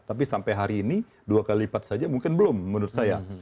tapi sampai hari ini dua kali lipat saja mungkin belum menurut saya